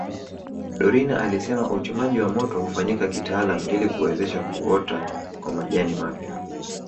Dorina alisema uchomaji wa moto hufanyika kitaalamu ili kuwezesha kuota kwa majani mapya